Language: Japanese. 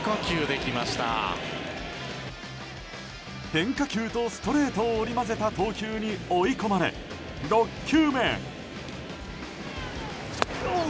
変化球とストレートを織り交ぜた投球に追い込まれ６球目。